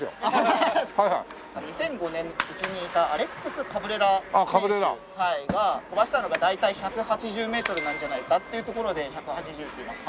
２００５年うちにいたアレックス・カブレラ選手が飛ばしたのが大体１８０メートルなんじゃないかっていうところで「１８０」っていうのが。